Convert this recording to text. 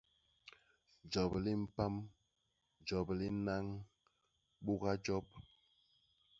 Jop li mpam, jop li nnañ, buga jop.